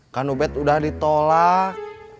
kan ubed udah ditolak